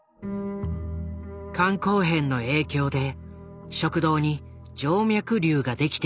肝硬変の影響で食道に静脈りゅうができていた。